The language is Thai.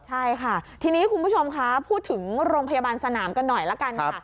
ใช่ค่ะทีนี้คุณผู้ชมคะพูดถึงโรงพยาบาลสนามกันหน่อยละกันค่ะ